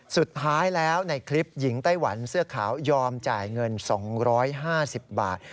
สุดท้ายแล้วในคลิปหญิงไต้หวันเสื้อขาวยอมจ่ายเงิน๒๕๐บาท